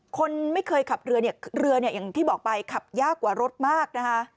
คนไม่เคยขับเรือเรือที่บอกไปขับยากกว่ารถมาก